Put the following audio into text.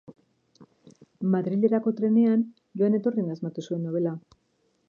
Madrilerako trenean joan-etorrian asmatu zuen nobela.